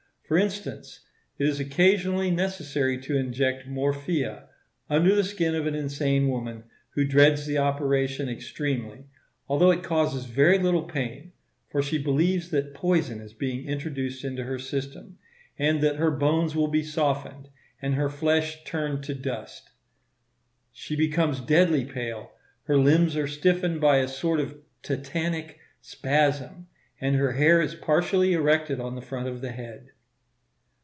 For instance, it is occasionally necessary to inject morphia, under the skin of an insane woman, who dreads the operation extremely, though it causes very little pain; for she believes that poison is being introduced into her system, and that her bones will be softened, and her flesh turned into dust. She becomes deadly pale; her limbs are stiffened by a sort of tetanic spasm, and her hair is partially erected on the front of the head.